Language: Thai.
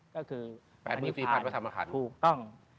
ก็คือมือภาพพูกต้อง